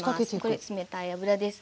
これ冷たい油です。